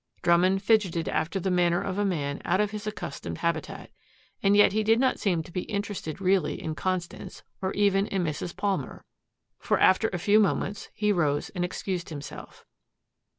Drummond fidgeted after the manner of a man out of his accustomed habitat. And yet he did not seem to be interested really in Constance, or even in Mrs. Palmer. For after a few moments, he rose and excused himself.